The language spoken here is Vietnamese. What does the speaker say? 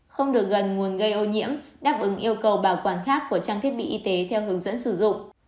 không được gần nguồn gây ô nhiễm đáp ứng yêu cầu bảo quản khác của trang thiết bị y tế theo hướng dẫn sử dụng